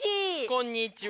こんにちは。